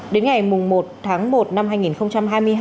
đến ngày một tháng một năm hai nghìn hai mươi hai